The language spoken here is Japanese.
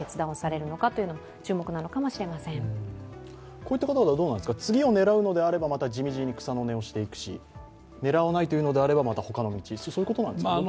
こういった方々は次を狙うのであればまた地道に草の根をしていくし狙わないというのであれば、また他の道ということですか？